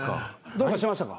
どうかしましたか？